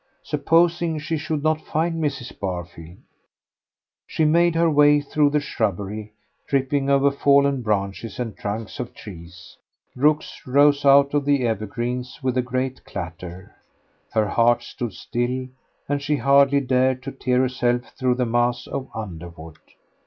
Supposing she should not find Mrs. Barfield. She made her way through the shrubbery, tripping over fallen branches and trunks of trees; rooks rose out of the evergreens with a great clatter, her heart stood still, and she hardly dared to tear herself through the mass of underwood.